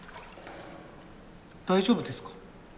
大丈夫ですか？